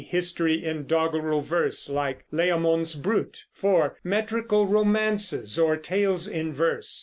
history in doggerel verse, like Layamon's Brut. (4) Metrical Romances, or tales in verse.